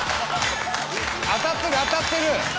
「当たってる当たってる！